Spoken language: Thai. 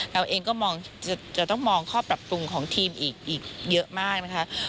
เราเองก็จะต้องมองข้อปรับปรุงของทีมอีกเยอะมากนะคะ